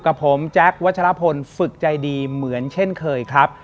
กับผมแจ๊ควัชลพลฝึกใจดีเหมือนเช่นเคยครับ